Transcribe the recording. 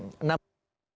nah apa yang anda lakukan